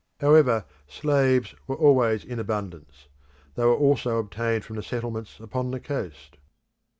However, slaves were always in abundance. They were also obtained from the settlements upon the coast.